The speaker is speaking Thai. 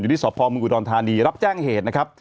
อยู่ที่สอบพรมอุดรณฑานีรับแจ้งเหตุนะครับ